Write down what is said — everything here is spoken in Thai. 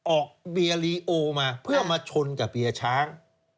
ออกเบียร์ลีโอมาเพื่อมาชนกับเบียร์ช้าง